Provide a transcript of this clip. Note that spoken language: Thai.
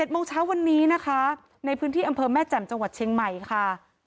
โมงเช้าวันนี้นะคะในพื้นที่อำเภอแม่แจ่มจังหวัดเชียงใหม่ค่ะ